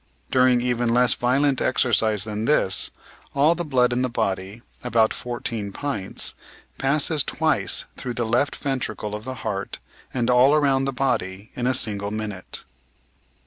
During even less violent exercise than this, all the blood in the body (about fourteen pints) passes twice through the left ventricle of the heart and all round the body in a single minute.